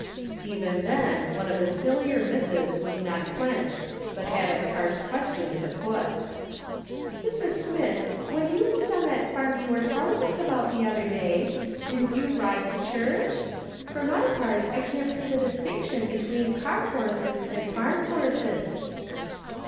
Even then, one of the sillier misses was not quenched, but had a tart question to put :" Mrs. Smith, when you lived on that farm you were telling us about the other day, didn't you ride to church ? For my part 1 can't see the distinction between car horses and farm horses."